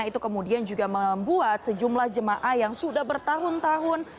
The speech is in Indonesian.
itu kemudian juga membuat sejumlah jemaah yang sudah bertahun tahun